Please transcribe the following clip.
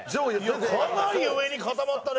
かなり上に固まったね！